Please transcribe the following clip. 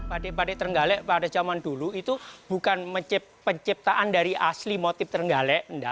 batik batik terenggalek pada zaman dulu itu bukan penciptaan dari asli motif terenggalek